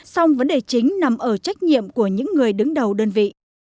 song vấn đề chính nằm ở trách nhiệm của những người đứng đầu đơn vị